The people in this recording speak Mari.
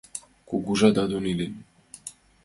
Кугыжа Дадон илен.